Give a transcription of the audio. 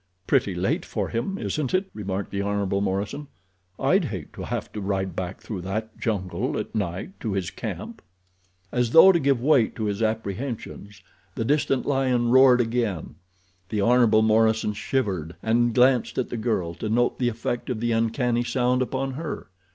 "Pretty late for him, isn't it?" remarked the Hon. Morison. "I'd hate to have to ride back through that jungle at night to his camp." As though to give weight to his apprehensions the distant lion roared again. The Hon. Morison shivered and glanced at the girl to note the effect of the uncanny sound upon her.